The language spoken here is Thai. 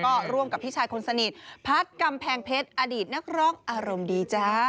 ก็ร่วมกับพี่ชายคนสนิทพัฒน์กำแพงเพชรอดีตนักร้องอารมณ์ดีจ้า